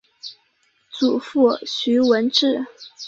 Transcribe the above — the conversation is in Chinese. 祖父徐文质。